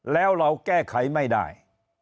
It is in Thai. แล้วเราแก้ไขไม่ได้